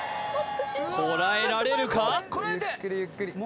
こらえられるか？